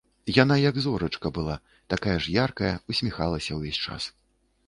Яна як зорачка была, такая ж яркая, усміхалася ўвесь час.